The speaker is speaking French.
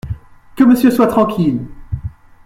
Que Monsieur soit tranquille !